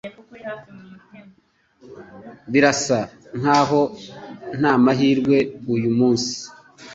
Birasa nkaho ntamahirwe uyu munsi